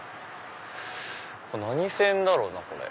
何線だろうなこれ。